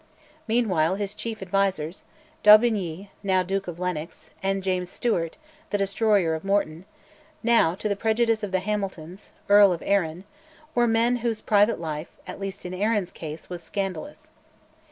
Meanwhile his chief advisers d'Aubigny, now Duke of Lennox, and James Stewart, the destroyer of Morton, now, to the prejudice of the Hamiltons, Earl of Arran were men whose private life, at least in Arran's case, was scandalous.